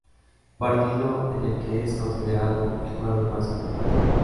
Partido en el que es considerado el jugador más importante.